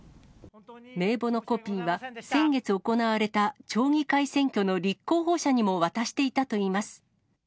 名簿のコピーは、先月行われた町議会選挙の立候補者にも渡していたといいます。